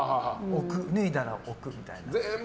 脱いだら置くみたいな。